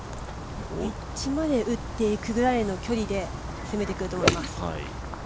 エッジまで打っていくぐらいの距離で攻めてくると思います。